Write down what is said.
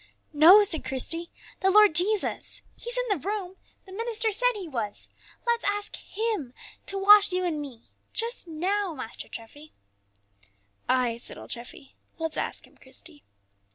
"No," said Christie, "the Lord Jesus. He's in the room, the minister said He was. Let's ask Him to wash you and me, just now, Master Treffy." "Ay!" said old Treffy, "let's ask Him, Christie."